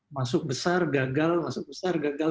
masuk besar gagal masuk besar gagal